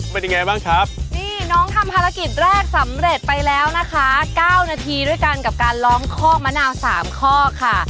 เป็นยังไงบ้างครับนี่น้องทำภารกิจแรกสำเร็จไปแล้วนะคะเก้านาทีด้วยกันกับการร้องคอกมะนาวสามข้อค่ะ